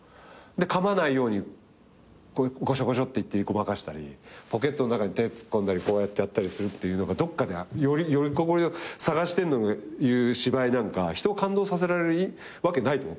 かまないようにごちょごちょってごまかしたりポケットの中に手突っ込んだりこうやったりするっていうのがどっかでよりどころを探してるっていう芝居なんか人を感動させられるわけないと思ったの。